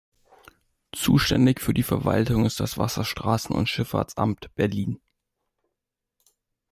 Zuständig für die Verwaltung ist das Wasserstraßen- und Schifffahrtsamt Berlin.